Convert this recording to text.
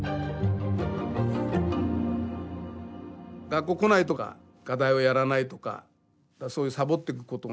学校来ないとか課題をやらないとかそういうさぼってくことをね